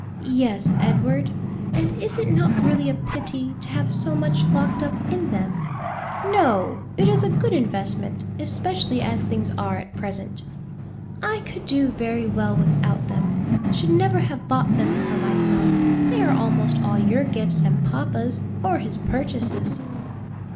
"Yes, Edward, and is it not really a pity to have so much locked up in them?" "No, it is a good investment; especially as things are at present." "I could do very well without them; should never have bought them for myself: they are almost all your gifts and papa's, or his purchases."